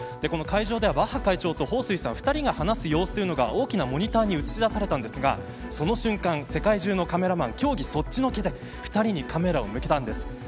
会場では、バッハ会長と彭帥さん２人が話す様子が大きなモニターに映し出されましたがその瞬間、世界中のカメラマン競技そっちのけで２人にカメラを向けたんです。